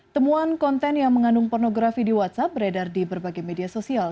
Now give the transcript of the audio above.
temuan konten yang mengandung pornografi di whatsapp beredar di berbagai media sosial